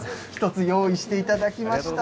１つ用意していただきました。